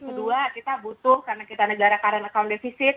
kedua kita butuh karena kita negara current account deficit